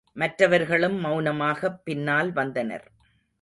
மற்றவர்களும் மௌனமாகப் பின்னால் வந்தனர்.